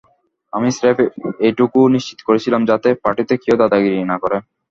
আমি স্রেফ এটুকু নিশ্চিত করছিলাম, যাতে পার্টিতে কেউ দাদাগিরি না করে।